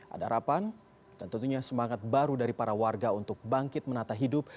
ada harapan dan tentunya semangat baru dari para warga untuk bangkit menata hidup